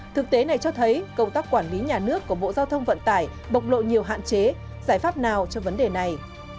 thực tế này cho thấy công tác quản lý nhà nước của bộ giao thông vận tải bộc lộ nhiều hạn chế giải pháp nào cho vấn đề này